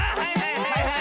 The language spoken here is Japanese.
はいはい。